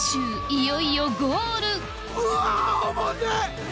いよいよゴールうわ重てぇ！